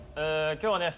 今日はね